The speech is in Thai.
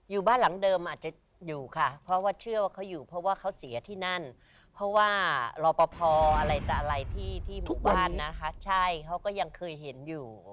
อยู่บ้านหลังเดิมอาจจะอยู่ค่ะเพราะว่าเชื่อว่าเขาอยู่เพราะว่าเขาเสียที่นั่นเพราะว่ารอปภอะไรแต่อะไรที่ที่หมู่บ้านนะคะใช่เขาก็ยังเคยเห็นอยู่